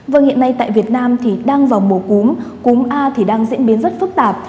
vâng hiện nay tại việt nam thì đang vào mùa cúm cúm a thì đang diễn biến rất phức tạp